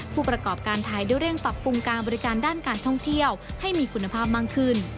ผู้ประกอบการไทยได้เร่งปรับปรุงการบริการด้านการท่องเที่ยวให้มีคุณภาพมากขึ้น